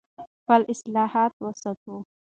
خپل اصالت وساتو.